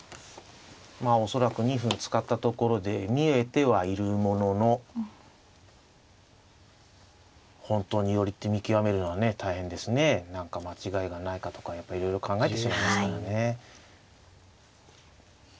まあ恐らく２分使ったところで見えてはいるものの本当に寄りって見極めるのはね大変ですね。何か間違いがないかとかやっぱりいろいろ考えてしまいますからね。